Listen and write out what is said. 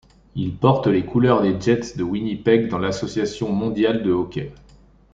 Il porte les couleurs des Jets de Winnipeg dans l'Association mondiale de hockey.